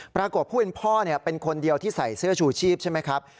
ปรากฏผู้เป็นพ่อเป็นคนเดียวที่ใส่เสื้อชูชีพใช่ไหมครับ